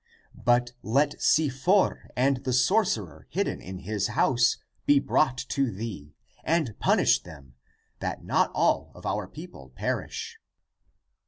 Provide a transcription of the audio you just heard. But let Sifor and the sorcerer hid den in his house be brought to thee, and punish them, that not all of our people perish."